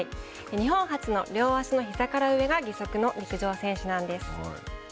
日本初の両足のひざから上が義足の陸上選手なんです。